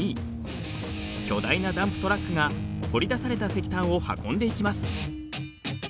巨大なダンプトラックが掘り出された石炭を運んでいきます。